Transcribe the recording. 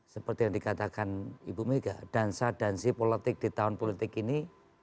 seperti yang dikatakan ibu mega dansa dansi politik di tahun politik ini